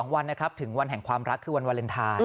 วันนะครับถึงวันแห่งความรักคือวันวาเลนไทย